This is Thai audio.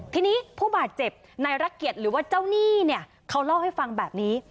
ทีนี้ผู้บาดเจ็บในรักเกียจหรือว่าเจ้าหนี้เนี่ยเขาเล่าให้ฟังแบบนี้